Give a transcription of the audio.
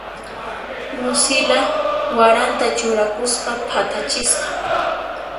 Lucila waranta churakuspa phatachisqa.